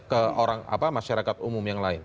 ke orang masyarakat umum yang lain